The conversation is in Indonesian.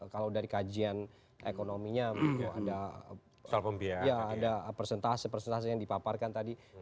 kalau dari kajian ekonominya ada persentase persentase yang dipaparkan tadi